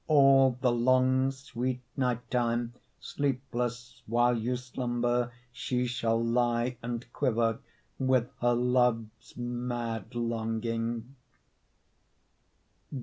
All the long sweet night time, Sleepless while you slumber, She shall lie and quiver With her love's mad longing.